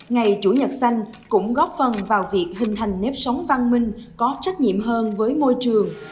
ngày chủ nhật xanh cũng góp phần vào việc hình thành nếp sống văn minh có trách nhiệm hơn với môi trường